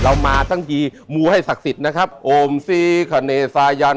เรามาตั้งทีมูให้ศักดิ์สิทธิ์นะครับ